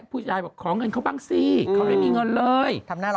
ผู้ชายบอกขอเงินเขาบ้างสิเขาไม่มีเงินเลย